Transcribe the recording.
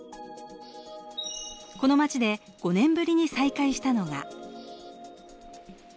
この街で５年ぶりに再会したのが。